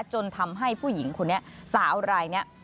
จนทำให้ผู้หญิงคนนี้สาวรายนี้